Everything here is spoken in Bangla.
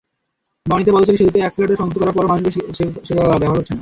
বনানীতে পদচারী-সেতুতে অ্যাকসেলেটর সংযুক্ত করার পরও মানুষ সেগুলো ব্যবহার করছেন না।